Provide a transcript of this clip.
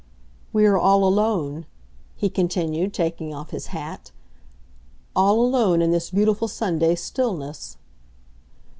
"We are all alone," he continued, taking off his hat; "all alone in this beautiful Sunday stillness."